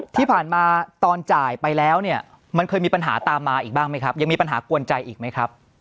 ที่ผ่านมาตอนจ่ายไปแล้วเนี่ยมันเคยมีปัญหาตามมาอีกบ้างไหมครับยังมีปัญหากวนใจอีกไหมครับ